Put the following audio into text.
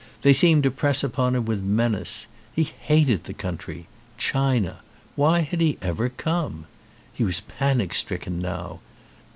They seemed to press upon him with menace. He hated the country. China. Why had he ever come? He was panic stricken now.